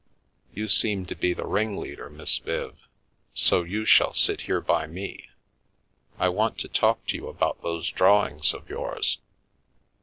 You seem to be the ringleader, Miss Viv, so you shall sit here by me. I want to talk to you about those draw ings of yours."